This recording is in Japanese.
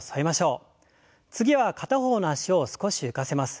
次は片方の脚を少し浮かせます。